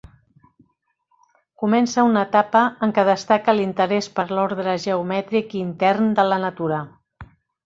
Comença una etapa en què destaca l'interès per l'ordre geomètric i intern de la natura.